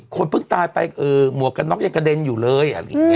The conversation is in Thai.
คนเพิ่งตายไปหมวกกันน็อกยังกระเด็นอยู่เลย